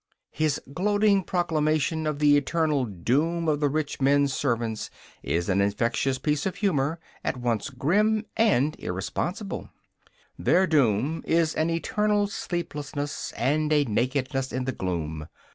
His gloating proclamation of the eternal doom of the rich men's servants is an infectious piece of humour, at once grim and irresponsible: Their doom is an eternal sleeplessness and a nakedness in the gloom....